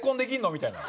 みたいな。